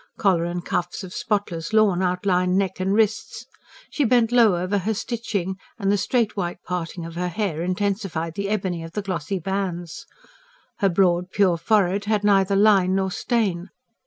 Collar and cuffs of spotless lawn outlined neck and wrists. She bent low over her stitching, and the straight white parting of her hair intensified the ebony of the glossy bands. Her broad pure forehead had neither line nor stain.